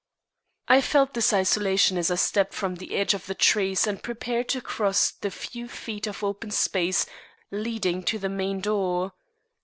I felt this isolation as I stepped from the edge of the trees and prepared to cross the few feet of open space leading to the main door.